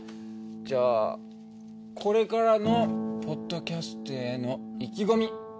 じゃあこれからのポッドキャストへの意気込み